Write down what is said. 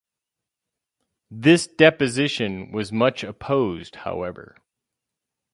This deposition was much opposed, however.